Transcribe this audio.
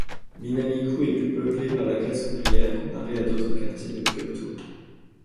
Minami-ku est plus peuplé par la classe ouvrière comparé à d'autres quartiers de Kyoto.